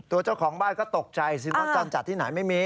เจ้าของบ้านก็ตกใจสิรถจรจัดที่ไหนไม่มี